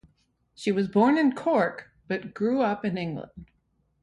She was born in Cork, but grew up in England.